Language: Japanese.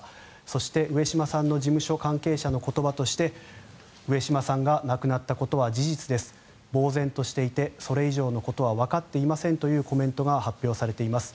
そして上島さんの事務所関係者の言葉として上島さんが亡くなったことは事実ですぼうぜんとしていてそれ以上のことはわかっていませんというコメントが発表されています。